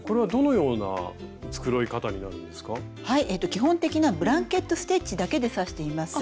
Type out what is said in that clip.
基本的なブランケット・ステッチだけで刺しています。